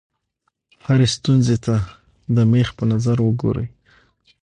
هرې ستونزې ته د مېخ په نظر وګورئ.